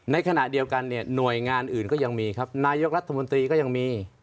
ในขณะเดียวกันเนี่ยหน่วยงานอื่นก็ยังมีครับนายกรัฐมนตรีก็ยังมี